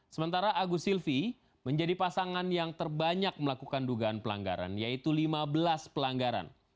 sementara agus silvi menjadi pasangan yang terbanyak melakukan dugaan pelanggaran yaitu lima belas pelanggaran